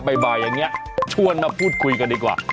บ่ายอย่างนี้ชวนมาพูดคุยกันดีกว่า